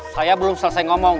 saya belum selesai ngomong